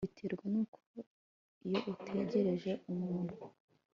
biterwa nuko iyo utegereje umuntu